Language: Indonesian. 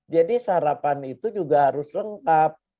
jadi sarapan itu juga harus lengkap